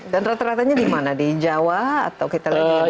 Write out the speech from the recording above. dan rata ratanya di mana di jawa atau kita lagi di sumatera